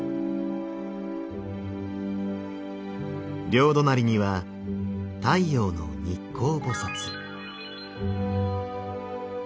両隣には太陽の日光菩。